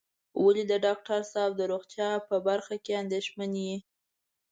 ولې د ډاکټر صاحب د روغتيا په برخه کې اندېښمن یې.